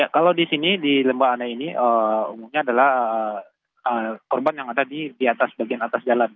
kalau di sini di lembahane ini umumnya adalah korban yang ada di atas bagian atas jalan